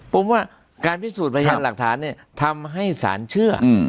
ผมว่าการพิสูจน์พยานหลักฐานเนี่ยทำให้สารเชื่อ